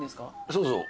そうそう。